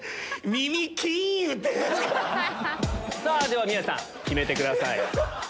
では宮治さん決めてください。